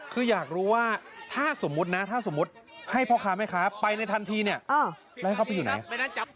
คืออยากรู้ว่าถ้าสมมุตินะถ้าสมมุติให้พ่อค้าแม่ค้าไปในทันทีเนี่ยแล้วให้เขาไปอยู่ไหน